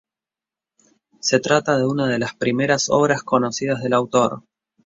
Se trata de una de las primeras obras conocidas del autor.